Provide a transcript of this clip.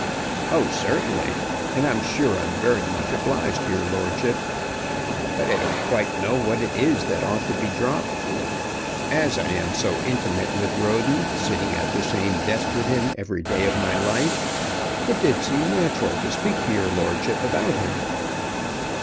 "Oh, certainly; and I'm sure I'm very much obliged to your lordship. But I don't quite know what it is that ought to be dropped. As I am so intimate with Roden, sitting at the same desk with him every day of my life, it did seem natural to speak to your lordship about him."